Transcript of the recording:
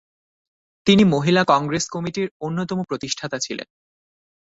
তিনি মহিলা কংগ্রেস কমিটির অন্যতম প্রতিষ্ঠাতা ছিলেন।